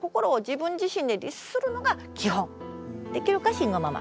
慎吾ママ。